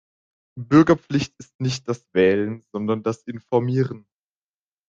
Bürgerpflicht ist nicht das Wählen sondern das Informieren.